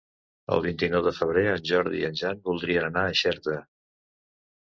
El vint-i-nou de febrer en Jordi i en Jan voldrien anar a Xerta.